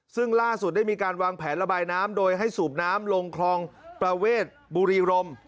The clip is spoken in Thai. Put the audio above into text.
ซึ่งล่าสุดได้มีการวางแผนระบายน้ำโดยให้สูบน้ำลงคลองประเวทบุรีรม